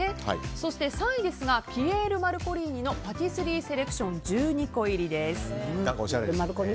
そして、３位はピエールマルコリーニのパティスリーセレクション１２個入りです。